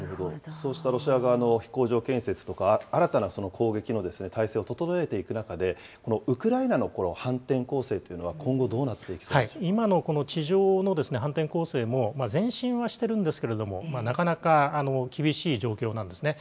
そうしたロシア側の飛行場建設とか新たな攻撃の態勢を整えていく中で、このウクライナの反転攻勢というのは、今後どうなっていく今のこの地上の反転攻勢も、前進はしてるんですけれども、なかなか厳しい状況なんですね。